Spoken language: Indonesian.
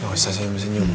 gak usah sinyum sinyum